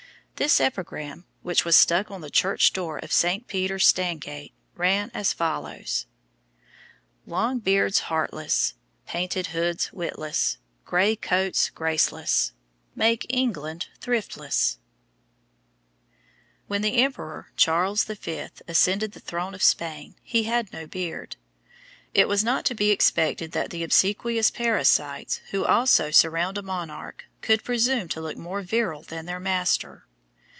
This epigram, which was stuck on the church door of St. Peter Stangate, ran as follows: "Long beards heartlesse, Painted hoods witlesse, Gray coats gracelesse, Make England thriftlesse." When the Emperor Charles V. ascended the throne of Spain he had no beard. It was not to be expected that the obsequious parasites who always surround a monarch, could presume to look more virile than their master.